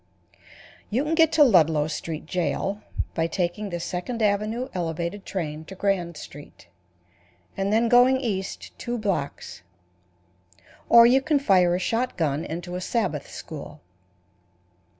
You can get to Ludlow Street Jail by taking the Second avenue Elevated train to Grand street, and then going east two blocks, or you can fire a shotgun into a Sabbath school.